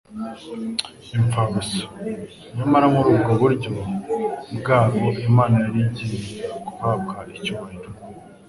imfabusa. Nyamara muri ubwo buryo bwabo Imana yari igiye guhabwa icyubahiro.